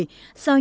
sau khi bị bệnh